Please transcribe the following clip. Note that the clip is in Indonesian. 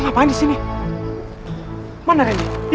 punto yang pastinya ada di kedua belakangnya